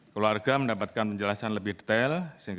keluarga mendapatkan penjelasan lebih detail